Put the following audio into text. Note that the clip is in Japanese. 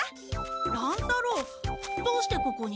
乱太郎どうしてここに？